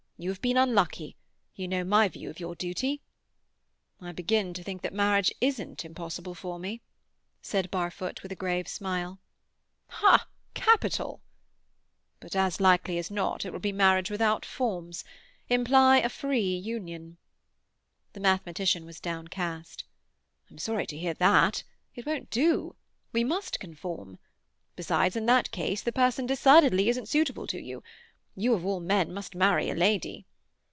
You have been unlucky. You know my view of your duty." "I begin to think that marriage isn't impossible for me," said Barfoot, with a grave smile. "Ha! Capital!" "But as likely as not it will be marriage without forms—simply a free union." The mathematician was downcast. "I'm sorry to hear that. It won't do. We must conform. Besides, in that case the person decidedly isn't suitable to you. You of all men must marry a lady."